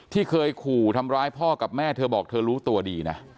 ที่เคยขู่ทำร้ายพ่อกับแม่เธอบอกเธอรู้ตัวดีนะ